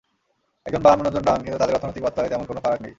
একজন বাম, অন্যজন ডান, কিন্তু তাঁদের অর্থনৈতিক বার্তায় তেমন কোনো ফারাক নেই।